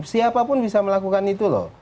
siapapun bisa melakukan itu loh